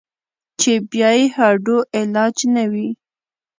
چې بيا ئې هډو علاج نۀ وي -